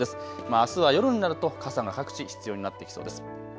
あすは夜になると傘が各地、必要になってきそうです。